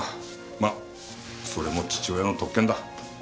まあそれも父親の特権だ。